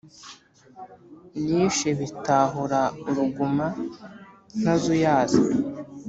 Nishe Bitahura uruguma ntazuyaza,